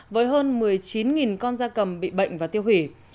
với hơn một mươi chín con da cầm bị bệnh và tiêu hủy